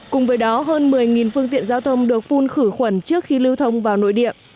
cùng với đó hơn một mươi phương tiện giao thông được phun khử khuẩn trước khi lưu thông vào nội địa